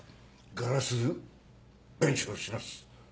ガラス弁償します。